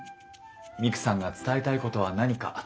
ミクさんが伝えたいことは何か？